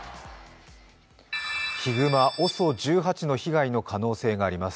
ヒグマＯＳＯ１８の被害の可能性があります。